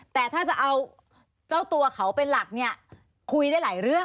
แต่ถ้าจะเอาเจ้าตัวเขาเป็นหลักเนี่ยคุยได้หลายเรื่อง